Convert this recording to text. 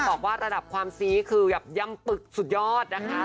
บอกว่าระดับความซี้คือแบบยำปึกสุดยอดนะคะ